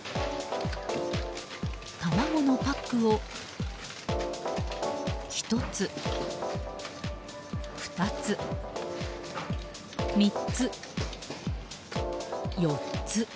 卵のパックを１つ、２つ、３つ、４つ。